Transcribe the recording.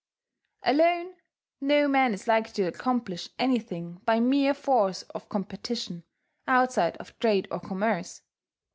Alone, no man is likely to accomplish anything by mere force of competition, outside of trade or commerce....